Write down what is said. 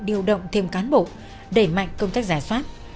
điều động thêm cán bộ để mạnh công tác giải thoát